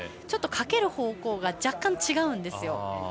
ちょっとかける方向が若干違うんですよ。